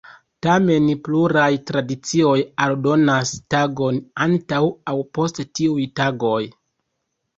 Tamen, pluraj tradicioj aldonas tagon antaŭ aŭ post tiuj tagoj.